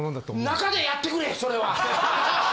中でやってくれそれは。